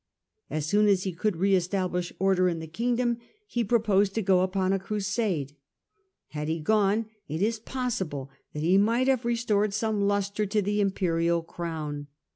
As soon as he could re condition of establish order in the kingdom he proposed ^^®™*°y to go upon a crusade. Had he gone it is possible that he might have restored some lustre to the imperial crown.